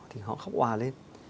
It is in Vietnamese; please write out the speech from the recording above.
thì họ khóc hoa lên